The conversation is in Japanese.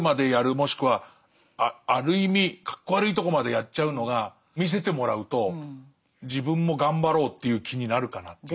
もしくはある意味かっこ悪いとこまでやっちゃうのが見せてもらうと自分も頑張ろうっていう気になるかなっていう。